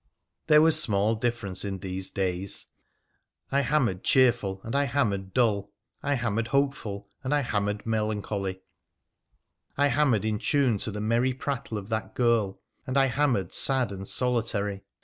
There was small difference in these days. I hammered cheerful and I hammered dull, I hammered hopeful and I hammered melancholy, I hammered in tune to the merry prattle of that girl, and I hammered sad and solitary.